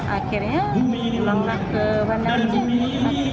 akhirnya pindah ke bandar aceh